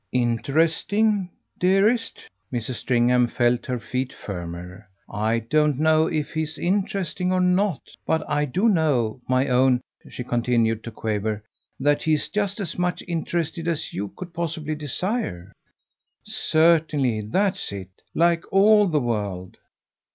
"Interesting, dearest?" Mrs. Stringham felt her feet firmer. "I don't know if he's interesting or not; but I do know, my own," she continued to quaver, "that he's just as much interested as you could possibly desire." "Certainly that's it. Like all the world."